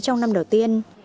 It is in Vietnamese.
trong năm đầu tiên